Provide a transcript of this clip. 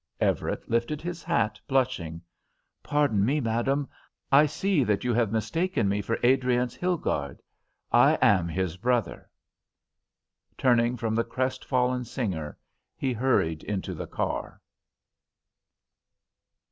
Everett lifted his hat, blushing. "Pardon me, madame, I see that you have mistaken me for Adriance Hilgarde. I am his brother." Turning from the crestfallen singer he hurried into the car.